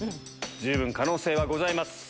十分可能性はございます。